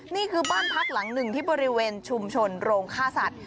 นี่คือบ้านพักหลังหนึ่งที่บริเวณชุมชนโรงฆ่าสัตว